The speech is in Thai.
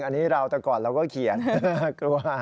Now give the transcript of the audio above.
อันนี้เราแต่ก่อนเราก็เขียนน่ากลัว